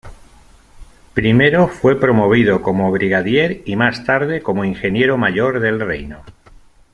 Primero fue promovido como brigadier y más tarde como ingeniero mayor del reino.